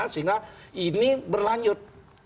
sehingga ini berlanjut